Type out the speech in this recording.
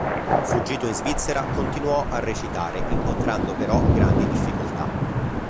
Fuggito in Svizzera, continuò a recitare, incontrando però grandi difficoltà.